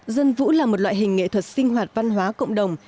dân vũ là một loại hình nghệ thuật sinh hoạt văn hóa cộng đồng